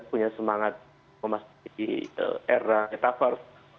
punya semangat memasuki era metaverse